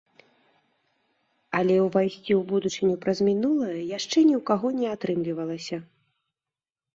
Але ўвайсці ў будучыню праз мінулае яшчэ ні ў каго не атрымлівалася.